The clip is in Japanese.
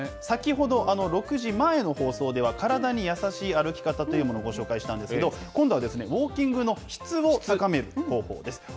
先ほど、６時前の放送では、体にやさしい歩き方というのをご紹介したんですけれども、今度はウォーキングの質を高める方法です。